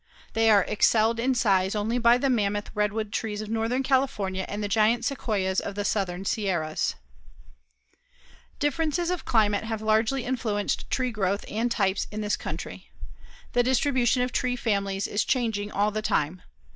They are excelled in size only by the mammoth redwood trees of northern California and the giant Sequoias of the southern Sierras. [Illustration: THE SEQUOIAS OF CALIFORNIA] Differences of climate have largely influenced tree growth and types in this country. The distribution of tree families is changing all the time.